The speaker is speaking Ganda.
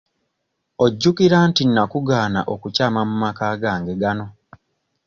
Ojjukira nti nnakugaana okukyama mu maka gange gano?